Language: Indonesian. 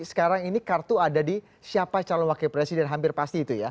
sekarang ini kartu ada di siapa calon wakil presiden hampir pasti itu ya